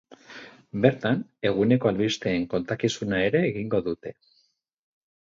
Bertan, eguneko albisteen kontakizuna ere egingo dute.